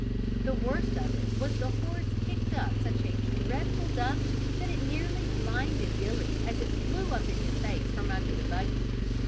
The worst of it was the horse kicked up such a dreadful dust that it nearly blinded Billy as it flew up in his face from under the buggy.